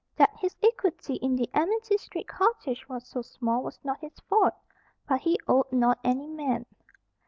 That his equity in the Amity Street cottage was so small was not his fault; but he owed not any man.